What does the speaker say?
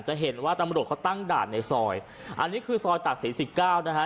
จะเห็นว่าตำรวจเขาตั้งด่านในซอยอันนี้คือซอยตากศรีสิบเก้านะฮะ